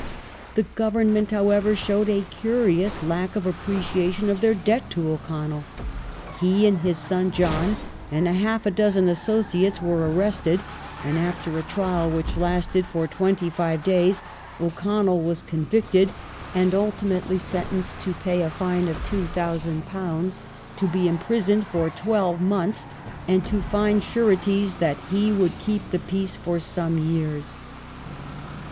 The Government, however, showed a curious lack of appreciation of their debt to O'Connell. He and his son John and half a dozen associates were airested, and after a trial which lasted for twenty five days O'Connell was convicted, and ultimately sentenced to pay a fine of £2,000, to be imprisoned for twelve months, and to find sureties that he would keep the peace for some years.